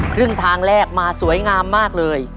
ครึ่งทางแรกมาสวยงามมากเลย